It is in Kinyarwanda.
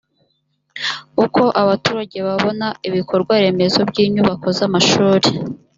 uko abaturage babona ibikorwaremezo by inyubako z amashuri